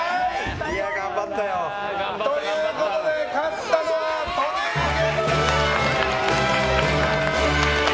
いや、頑張ったよ。ということで勝ったのは利根田家パパ！